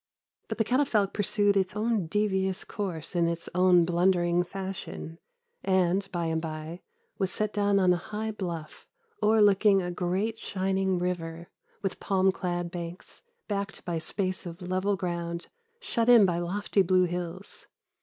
But the catafalque pursued its own devious course in its own blundering fashion, and, by and by, was set down on a high bluff, o'erlooking a great shining river, with palm clad banks, backed by a space of level ground shut in by lofty blue hills.